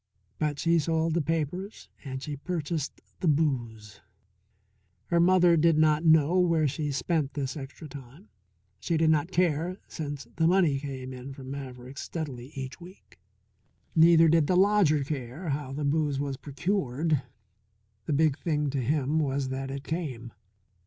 But she sold the papers and she purchased the booze. Her mother did not know where she spent this extra time. She did not care since the money came in from Maverick's steadily each week. Neither did the lodger care how the booze was procured; the big thing to him was that it came.